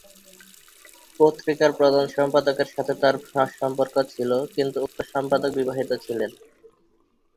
পত্রিকার প্রধান সম্পাদকের সাথে তার সম্পর্ক ছিল কিন্তু উক্ত সম্পাদক বিবাহিত ছিলেন।